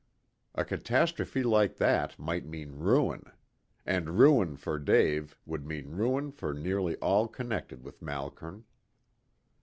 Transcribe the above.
A catastrophe like that might mean ruin. And ruin for Dave would mean ruin for nearly all connected with Malkern.